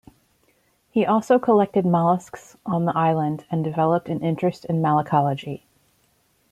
He also collected molluscs on the island and developed an interest in malacology.